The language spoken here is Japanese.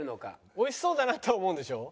おいしそうだなとは思うんでしょ？